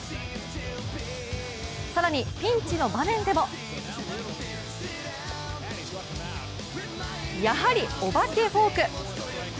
更にピンチの場面でもやはりお化けフォーク。